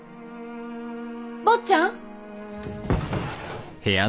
坊ちゃん！